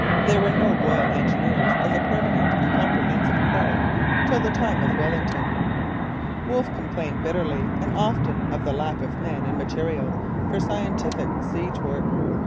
There were no Royal Engineers as a permanent and comprehensive corps till the time of Wellington. Wolfe complained bitterly and often of the lack of men and materials for scientific siege work.